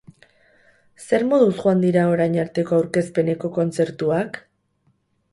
Zer moduz joan dira orain arteko aurkezpeneko kontzertuak?